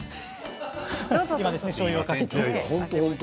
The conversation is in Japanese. しょうゆをかけて。